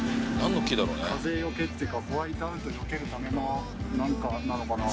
風よけっていうかホワイトアウトをよけるための何かなのかな。